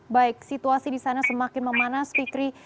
baik situasi di sana semakin memanas fikri